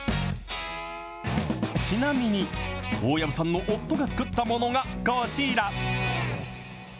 ちなみに、大藪さんの夫が作ったものがこちら。